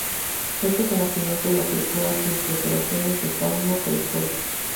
Este conocimiento lo aplicó a sus recreaciones de fauna prehistórica.